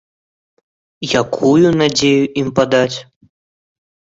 Якую надзею ім падаць?